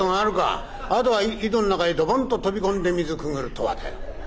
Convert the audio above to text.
あとは井戸の中へドボンと飛び込んで『水くぐるとは』だよ」。